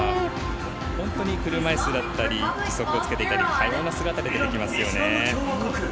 本当に車いすだったり義足を着けていたり多様な姿で出てきますよね。